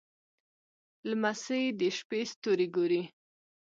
لمسی د شپې ستوري ګوري.